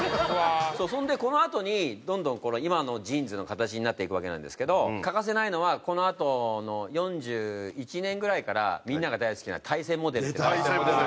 それでこのあとにどんどん今のジーンズの形になっていくわけなんですけど欠かせないのはこのあとの１９４１年ぐらいからみんなが大好きな大戦モデルっていうのが。